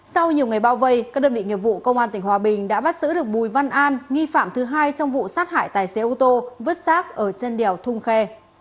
sau nhiều ngày bao vây các đơn vị nghiệp vụ công an tỉnh hòa bình đã bắt giữ được bùi văn an nghi phạm thứ hai trong vụ sát hại tài xế ô tô vứt sát ở chân đèo thung khe